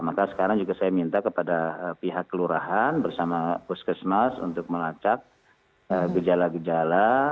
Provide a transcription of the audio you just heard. maka sekarang juga saya minta kepada pihak kelurahan bersama puskesmas untuk melacak gejala gejala